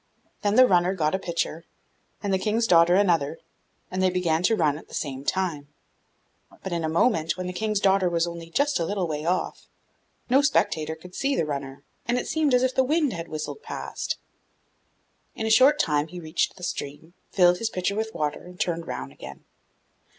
Then the runner got a pitcher, and the King's daughter another, and they began to run at the same time; but in a moment, when the King's daughter was only just a little way off, no spectator could see the runner, and it seemed as if the wind had whistled past. In a short time he reached the stream, filled his pitcher with water, and turned round again.